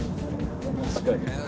確かに。